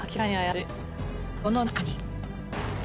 その中に。